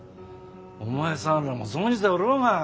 お前さんらも存じておろうが。